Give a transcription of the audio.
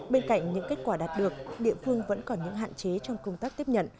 bên cạnh những kết quả đạt được địa phương vẫn còn những hạn chế trong công tác tiếp nhận